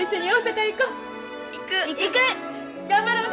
頑張ろうな。